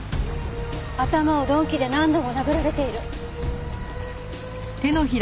頭を鈍器で何度も殴られている。